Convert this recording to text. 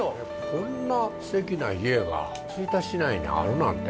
こんなステキな家が吹田市内にあるなんて。